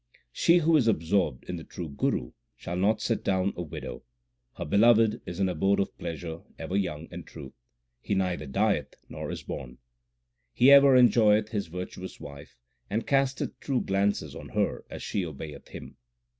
She who is absorbed in the True Guru, shall not sit down a widow. Her Beloved is an abode of pleasure ever young and true ; He neither dieth nor is born. He ever enjoy eth His virtuous wife, and casteth true glances on her as she obey eth Him.